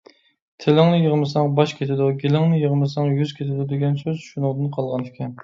«تىلىڭنى يىغمىساڭ، باش كېتىدۇ. گېلىڭنى يىغمىساڭ، يۈز كېتىدۇ» دېگەن سۆز شۇنىڭدىن قالغان ئىكەن.